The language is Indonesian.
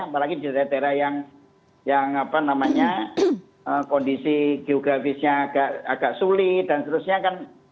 apalagi di daerah daerah yang kondisi geografisnya agak sulit dan seterusnya kan